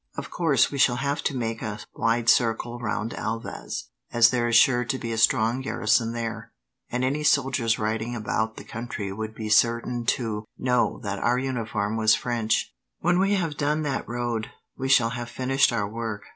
Of course, we shall have to make a wide circle round Elvas, as there is sure to be a strong garrison there, and any soldiers riding about the country would be certain to know that our uniform was French. When we have done that road, we shall have finished our work."